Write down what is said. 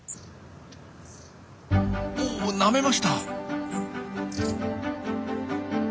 おなめました！